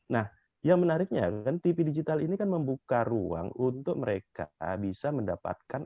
nah yang menariknya kan tv digital ini kan membuka ruang untuk mereka bisa mendapatkan